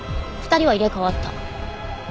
２人は入れ替わった。